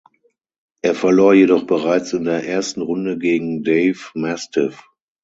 Er verlor jedoch bereits in der ersten Runde gegen Dave Mastiff.